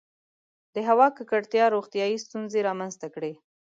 • د هوا ککړتیا روغتیایي ستونزې رامنځته کړې.